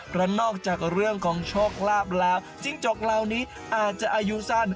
เพราะนอกจากเรื่องของโชคลาภแล้วจิ้งจกเหล่านี้อาจจะอายุสั้น